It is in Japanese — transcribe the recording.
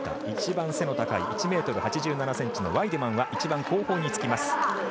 一番背の高い１ｍ８７ｃｍのワイデマンは一番後方につきます。